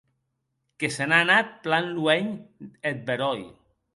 Que se n’a anat plan luenh eth beròi.